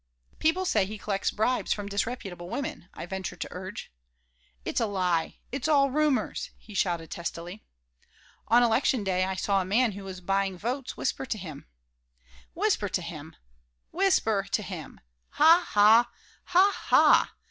"People say he collects bribes from disreputable women," I ventured to urge. "It's a lie. It's all rumors," he shouted, testily "On Election Day I saw a man who was buying votes whisper to him." "Whisper to him! Whisper to him! Ha ha, ha ha!